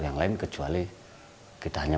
yang lain kecuali kita hanya